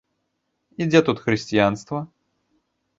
І дзе тут хрысціянства?